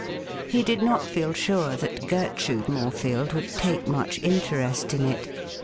He did not feel sure that Gertrude Morefield would take much interest in it.